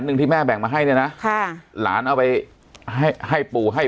หนึ่งที่แม่แบ่งมาให้เนี่ยนะค่ะหลานเอาไปให้ให้ปู่ให้